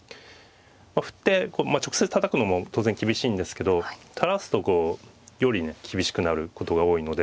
歩って直接たたくのも当然厳しいんですけど垂らすとこうよりね厳しくなることが多いので。